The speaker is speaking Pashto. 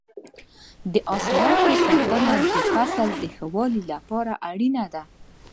د حاصلاتو ساتنه د فصل د ښه والي لپاره اړینه ده.